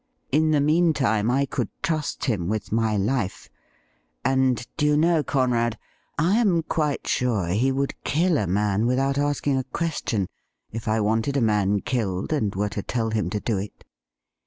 In the meantime, I could trust him with my life ; and do you know, Conrad, I am quite sure he would kill a man with out asking a question if I wanted a man killed and were to tell him to do it.'